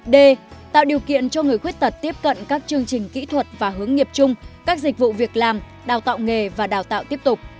d tạo điều kiện cho người khuyết tật tiếp cận các chương trình kỹ thuật và hướng nghiệp chung các dịch vụ việc làm đào tạo nghề và đào tạo tiếp tục